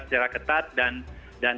secara ketat dan